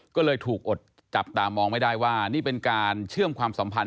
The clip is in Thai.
ก็เลยถูกอดจับตามองไม่ได้ว่านี่เป็นการเชื่อมความสัมพันธ